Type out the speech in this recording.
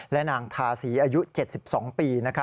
และนางทาสีอายุ๗๒ปี